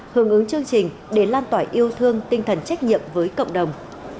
hướng ứng chương trình để lan tỏa yêu thương tinh thần trách nhiệm với cộng đồng